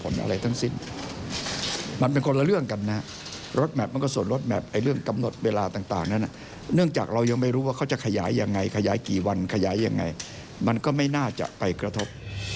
เลือกแนวทางไหนอย่างไม่ทราบ